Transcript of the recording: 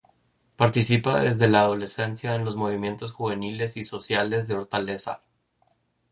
Participa desde la adolescencia en los movimientos juveniles y sociales de Hortaleza.